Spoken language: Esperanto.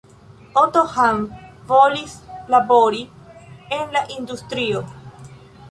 Otto Hahn volis labori en la industrio.